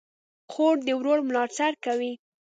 خور د ورور ملاتړ کوي.